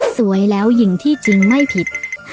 สวยแล้วหญิงที่จริงไม่ผิด